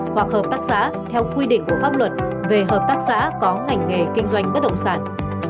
hoặc hợp tác xã theo quy định của pháp luật về hợp tác xã có ngành nghề kinh doanh bất động sản